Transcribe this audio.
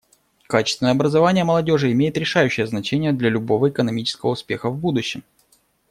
Качественное образование молодежи имеет решающее значение для любого экономического успеха в будущем.